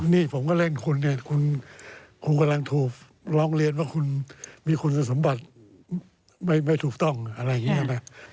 นี่ผมก็เล่นคุณเนี่ยคุณกำลังถูกร้องเรียนว่าคุณมีคุณสมบัติไม่ถูกต้องอะไรอย่างนี้นะ